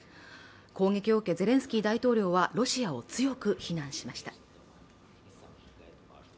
攻撃を受け、ゼレンスキー大統領はロシアを強く非難しました。